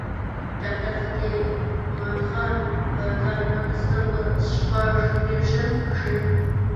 ډاکټر فتح مند خان پۀ کال نولس سوه شپږ دېرشم کښې